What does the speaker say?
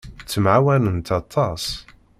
Ttemɛawanent aṭas.